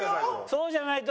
そうじゃないと。